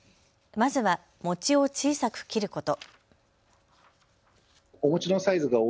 まずは餅を小さく切ること。